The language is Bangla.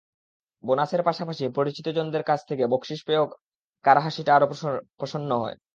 বোনাসের পাশাপাশি পরিচিতজনদের কাছ থেকে বকশিশ পেয়ে কারও হাসিটা আরও প্রসন্ন হয়।